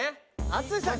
淳さん